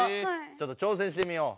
ちょっと挑戦してみよう。